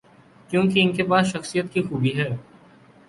کیونکہ ان کے پاس شخصیت کی خوبی ہے۔